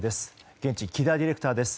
現地、木田ディレクターです。